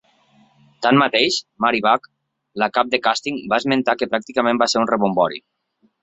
Tanmateix, Mary Buck, la cap de càsting, va esmentar que pràcticament va ser un rebombori.